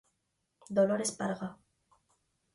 Dolores Parga...